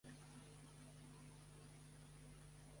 Festivals del santuari: U-matsuri, Hirakuni-matsuri.